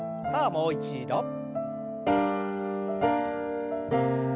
さあもう一度。